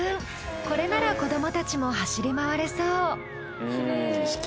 これなら子どもたちも走り回れそう！